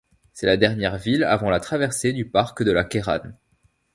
C'est la dernière ville avant la traversée du parc de la Kéran.